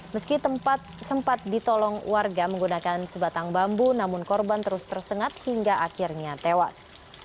meski tempat sempat ditolong warga menggunakan sebatang bambu namun korban terus tersengat hingga akhirnya tewas